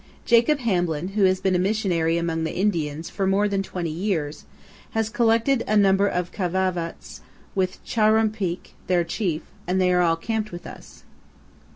Jacob Hamblin, who has been a missionary among the Indians for more than twenty years, has collected a number of Kai'vavits, with Chuar' ruumpeak, their chief, and they are all camped with us.